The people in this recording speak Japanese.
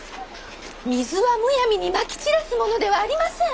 水はむやみにまき散らすものではありません！